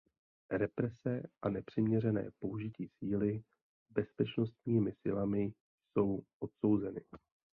Represe a nepřiměřené použití síly bezpečnostními silami jsou odsouzeny.